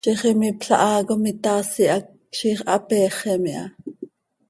Ziix imiipla haa com itaasi hac ziix hapeexem iha.